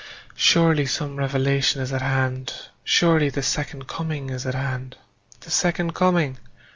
Surely some revelation is at hand; Surely the Second Coming is at hand. The Second Coming!